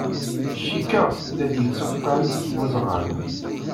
Cikkeɣ la d-yetteqqal weẓɣal.